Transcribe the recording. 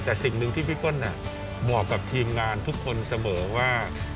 แต่สิ่งหนึ่งที่พี่เปิ้ลบอกกับทีมงานทุกคนเสมอว่า